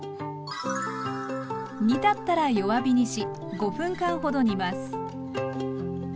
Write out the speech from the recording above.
煮立ったら弱火にし５分間ほど煮ます。